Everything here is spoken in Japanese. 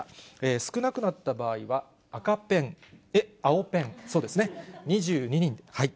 少なくなった場合は赤ペン、青ペン、そうですね、２２人。